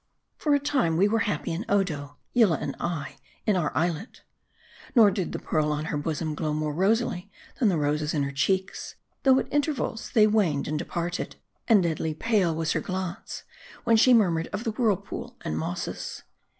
FOR a time we were happy in Odo : Yillah and I in our islet. Nor did the pearl oriXher bosom glow more rosily than, the roses in her cheeks ; though at intervals they waned and departed ; and deadly pale was her. glance, when she murmured of the whirlpool and mosses.